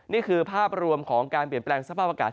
นี่คือภาพรวมของการเปลี่ยนแปลงสภาพอากาศ